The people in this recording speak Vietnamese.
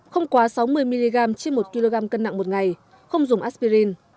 không quá sáu mươi mg trên một kg cân nặng một ngày không dùng aspirin